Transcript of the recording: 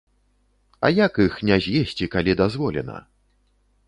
А як іх не з'есці, калі дазволена?